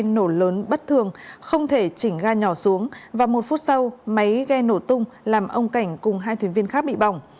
nổ lớn bất thường không thể chỉnh ga nhỏ xuống và một phút sau máy ghe nổ tung làm ông cảnh cùng hai thuyền viên khác bị bỏng